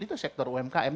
itu sektor umkm